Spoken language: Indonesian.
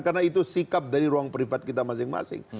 karena itu sikap dari ruang privat kita masing masing